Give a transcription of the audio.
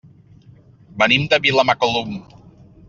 Venim de Vilamacolum.